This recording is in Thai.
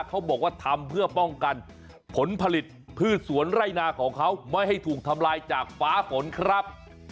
เขาบอกว่าทำเพื่อป้องกันผลผลิตพืชสวนไร่นาของเขาไม่ให้ถูกทำลายจากฟ้าฝนครับ